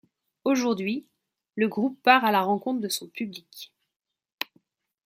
Aujourd'hui, le groupe part à la rencontre de son public.